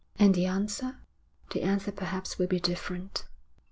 'And the answer?' 'The answer perhaps will be different.'